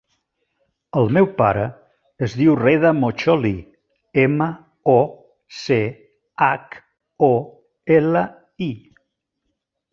El meu pare es diu Reda Mocholi: ema, o, ce, hac, o, ela, i.